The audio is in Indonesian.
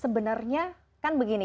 sebenarnya kan begini